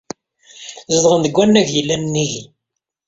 Zedɣen deg wannag yellan nnig-i.